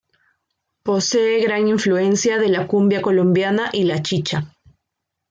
Posee gran influencia de la cumbia colombiana y la chicha.